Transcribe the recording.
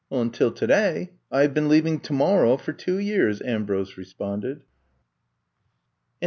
Until today I have been leaving tomor row for two years,'' Ambrose responded.